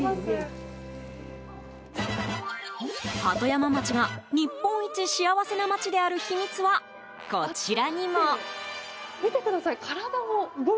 鳩山町が日本一幸せな街である秘密はこちらにも。